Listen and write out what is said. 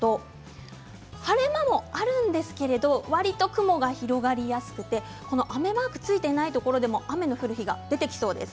晴れ間もあるんですけれどわりと雲が広がりやすくて雨マークがついていないところでも雨が降る日が出てきそうです。